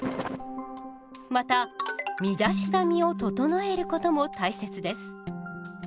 また身だしなみを整えることも大切です。